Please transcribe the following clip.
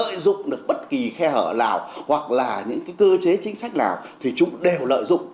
lợi dụng được bất kỳ khe hở nào hoặc là những cái cơ chế chính sách nào thì chúng đều lợi dụng